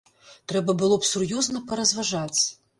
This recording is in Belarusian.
Трэба было б сур'ёзна паразважаць.